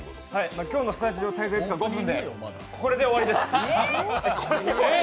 今日のスタジオ滞在時間５分で、これで終わりです。